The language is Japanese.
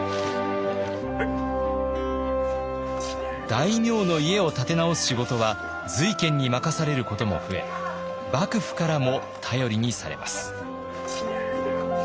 大名の家を建て直す仕事は瑞賢に任されることも増え幕府からも頼りにされます。